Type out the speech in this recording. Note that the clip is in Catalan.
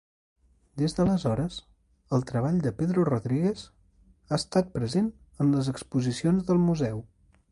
Des d’aleshores, el treball de Pedro Rodríguez ha estat present en les exposicions del Museu.